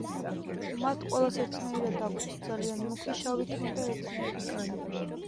მათ ყველას ერთნაირად აქვთ ძალიან მუქი შავი თმა და ერთნაირი კანი.